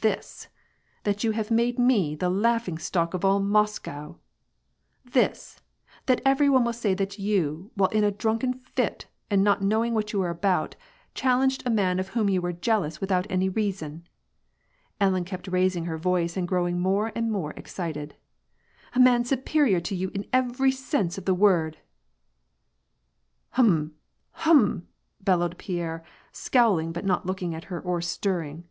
This !— that you have made me the laughing stock of all Moscow ; this ! that every one will say that you, while in a drunken fit, and not knowing what you were about, challenged a man of whom you were jealous with out any reason" — Ellen kept raising her voice and growing more and more excited, — "a man superior to you in every sense of the word "— "Hm — hm," bellowed Pierre, scowling, but not looking at her or stirring.